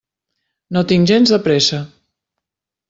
No tinc gens de pressa.